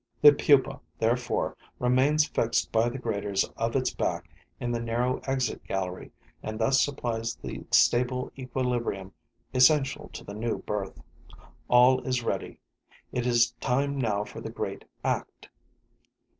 The pupa, therefore, remains fixed by the graters of its back in the narrow exit gallery and thus supplies the stable equilibrium essential to the new birth. All is ready. It is time now for the great act.